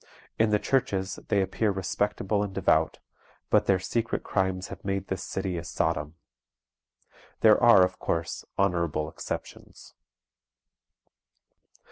In the churches they appear respectable and devout, but their secret crimes have made this city a Sodom. There are, of course, honorable exceptions."